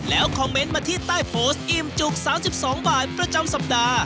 แล้วคอมเมนต์มาที่ใต้โพสต์อิ่มจุก๓๒บาทประจำสัปดาห์